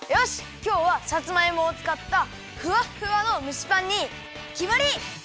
きょうはさつまいもをつかったふわっふわの蒸しパンにきまり！